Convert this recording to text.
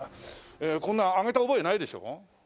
こんなのあげた覚えはないでしょ？